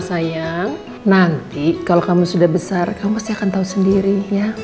sayang nanti kalau kamu sudah besar kamu pasti akan tahu sendiri